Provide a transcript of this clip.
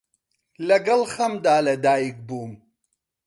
لەگەڵ خەمدا لە دایک بووم،